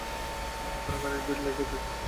ওখানে গাড়ির ভীড় লেগেই থাকে।